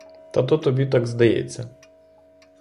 Та то тобі так здається!